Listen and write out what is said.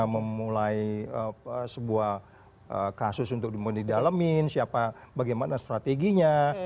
memulai sebuah kasus untuk dimudidalemin bagaimana strateginya